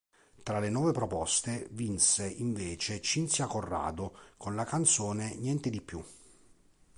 Tra le "Nuove proposte" vinse invece Cinzia Corrado con la canzone "Niente di più".